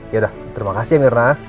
yaudah terima kasih ya mirna